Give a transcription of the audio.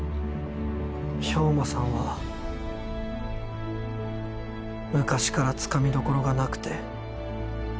兵馬さんは昔からつかみどころがなくて。